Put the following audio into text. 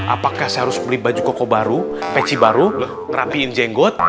apakah saya harus beli baju koko baru peci baru rapiin jenggot